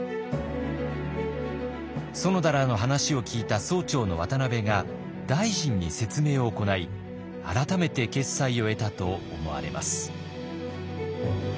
園田らの話を聞いた総長の渡部が大臣に説明を行い改めて決裁を得たと思われます。